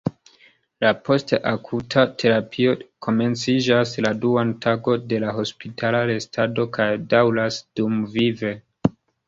La post-akuta terapio komenciĝas la duan tagon de la hospitala restado kaj daŭras dumvive.